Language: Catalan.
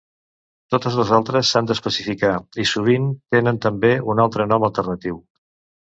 Totes les altres, s'han d'especificar, i sovint tenen també un altre nom alternatiu.